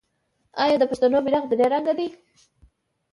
آیا د پښتنو بیرغ درې رنګه نه دی؟